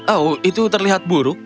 oh itu terlihat buruk